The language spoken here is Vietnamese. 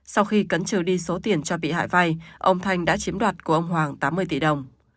sau khi cấn trừ đi số tiền cho bị hại vay ông thanh đã chiếm đoạt của ông hoàng tám mươi tỷ đồng